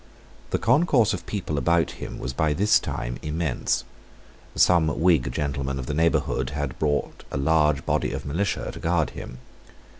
The concourse of people about him was by this time immense. Some Whig gentlemen of the neighbourhood had brought a large body of militia to guard him.